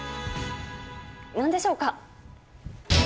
なんでしょうか。